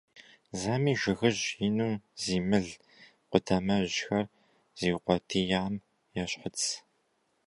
Зэми жыгыжь ину зи мыл къудамэжьхэр зыукъуэдиям ещхыц.